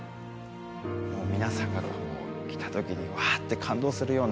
皆さんがこう来た時にわあ！って感動するような